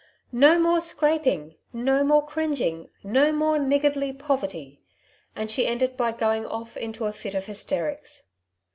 ^^No more scraping ! no more cringing I no more niggardly poverty !'' and she enSed by going off into a fit of hysterics.